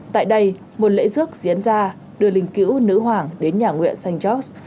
tại đây một lễ sước diễn ra đưa linh cữu nữ hoàng đến nhà nguyện st george